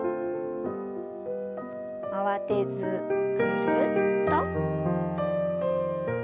慌てずぐるっと。